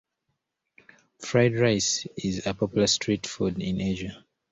Fried rice is a popular street food in Asia.